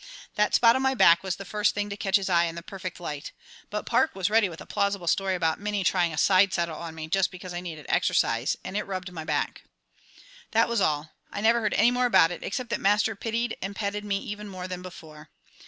That spot on my back was the first thing to catch his eye in the perfect light, but Park was ready with a plausible story about Minnie trying a side saddle on me "just because I needed exercise," and it rubbed my back. That was all. I never heard any more about it, except that Master pitied and petted me even more than before.